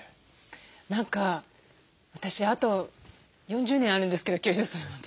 何か私あと４０年あるんですけど９０歳まで。